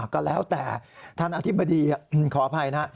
ก็แล้วแต่ท่านอธิบดีขออภัยนะ